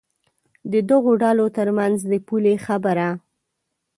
د دغو ډلو تر منځ د پولې خبره.